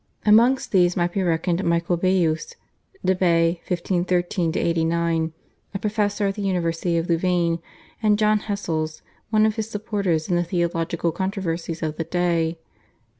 Amongst these might be reckoned Michael Baius (De Bay, 1513 89) a professor at the University of Louvain and John Hessels, one of his supporters in the theological controversies of the day.